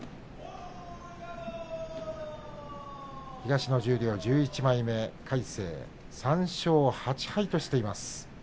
東の十両１１枚目魁聖、３勝８敗としています。